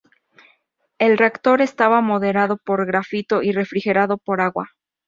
El reactor estaba moderado por grafito y refrigerado por agua.